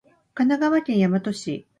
神奈川県大和市